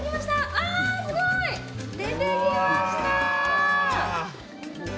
あすごい出てきました！